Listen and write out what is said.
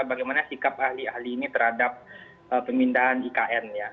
bagaimana sikap ahli ahli ini terhadap pemindahan di kn